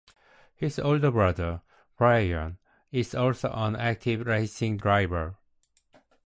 His older brother, Brian, is also an active racing driver.